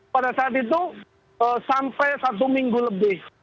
pada saat itu sampai satu minggu lebih